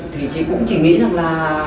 thì chị cũng chỉ nghĩ rằng là